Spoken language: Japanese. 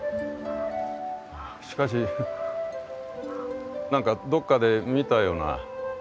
しかし何かどっかで見たような。